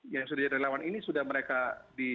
yang sudah di lawan ini sudah mereka diuji